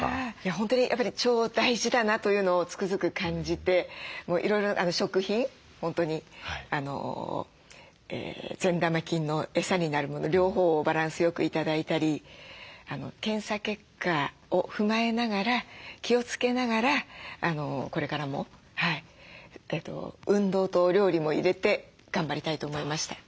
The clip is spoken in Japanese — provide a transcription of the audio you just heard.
本当にやっぱり腸大事だなというのをつくづく感じていろいろ食品本当に善玉菌のエサになるもの両方をバランスよく頂いたり検査結果を踏まえながら気をつけながらこれからも運動とお料理も入れて頑張りたいと思いました。